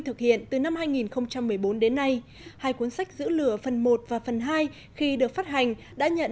thực hiện từ năm hai nghìn một mươi bốn đến nay hai cuốn sách giữ lửa phần một và phần hai khi được phát hành đã nhận